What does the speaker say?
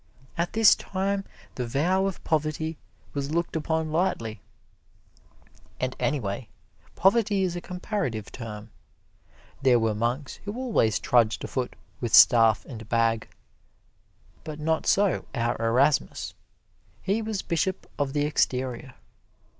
At this time the vow of poverty was looked upon lightly. And anyway, poverty is a comparative term. There were monks who always trudged afoot with staff and bag, but not so our Erasmus. He was Bishop of the Exterior.